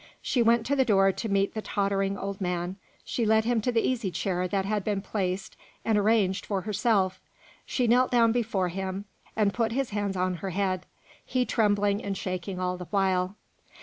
She went to the door to meet the tottering old man; she led him to the easy chair that had been placed and arranged for herself; she knelt down before him, and put his hands on her head, he trembling and shaking all the while.